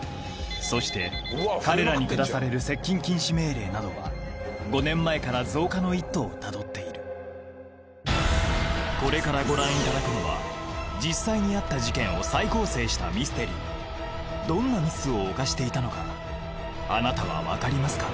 そして彼らに下される接近禁止命令などは５年前から増加の一途をたどっているこれからご覧いただくのは実際にあった事件を再構成したミステリーどんなミスを犯していたのかあなたはわかりますか？